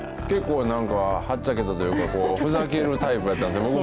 結構なんか、はっちゃけたというか、ふざけるタイプやったんですね。